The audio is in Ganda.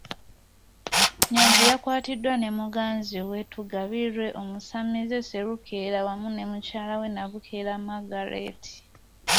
Nnyanzi yakwatiddwa ne muganzi we Tugabiirwe, omusamize Sserukeera wamu ne mukyala we Nabukeera Margaret.